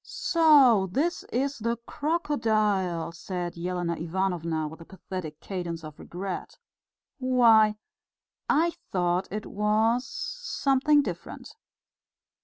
"So this is the crocodile!" said Elena Ivanovna, with a pathetic cadence of regret. "Why, I thought it was ... something different."